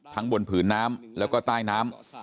ทั้งบนผืนน้ำและก็ใต้น้ำ